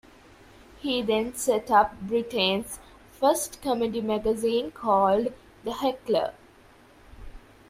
He then set up Britain's first comedy magazine called "The Heckler".